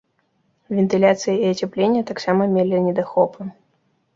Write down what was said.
Вентыляцыя і ацяпленне таксама мелі недахопы.